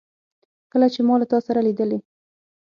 کله چي ما له تا سره لیدلې